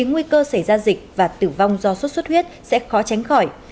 nguy cơ xảy ra dịch và tử vong do sốt xuất huyết sẽ khó tránh khỏi